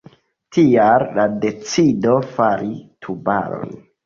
Tial la decido fari Tubaron.